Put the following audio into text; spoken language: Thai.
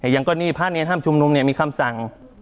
อย่างก่อนนี้พระอาจารย์ห้ามชุมนุมเนี่ยมีคำสั่ง